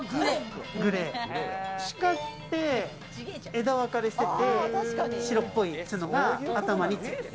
シカって枝わかれしてて白っぽい角が頭についてる。